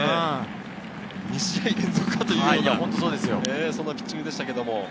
２試合連続かというようなピッチングでした。